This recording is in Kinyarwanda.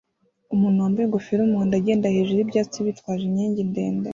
Umuntu wambaye ingofero yumuhondo agenda hejuru yibyatsi bitwaje inkingi ndende